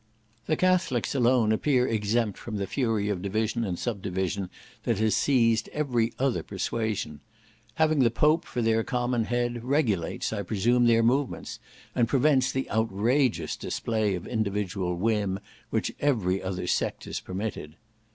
The Catholics alone appear exempt from the fury of division and sub division that has seized every other persuasion. Having the Pope for their common head, regulates, I presume, their movements, and prevents the outrageous display of individual whim which every other sect is permitted.